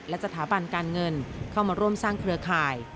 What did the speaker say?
และสถาบันการเงินเข้ามาร่วมสร้างเครือข่าย